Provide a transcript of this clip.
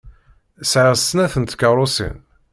Sɛiɣ snat n tkeṛṛusin.